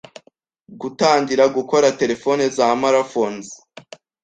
Gutangira gukora telefone za Mara Phones